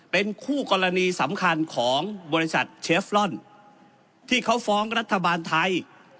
เป็นคู่กรณีสำคัญของบริษัทเชฟลอนที่เขาฟ้องรัฐบาลไทย